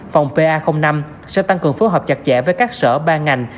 phòng pa năm sẽ tăng cường phối hợp chặt chẽ với các sở ban ngành